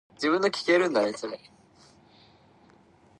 He was not elected to be the art critic of the ward.